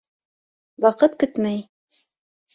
Ваҡыт көтмәй.